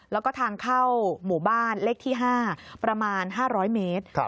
แล้วก็ทางเข้าหมู่บ้านเลขที่๕ประมาณ๕๐๐เมตร